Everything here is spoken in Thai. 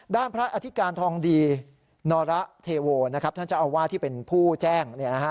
ด้านพระอธิการทองดีนอระเทโวนะครับท่านจะเอาว่าที่เป็นผู้แจ้งเนี่ยนะฮะ